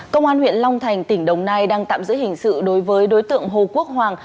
công an huyện long thành tỉnh đồng nai đang tạm giữ hình sự đối với đối tượng hồ quốc hoàng